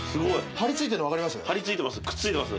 張り付いてんの分かります？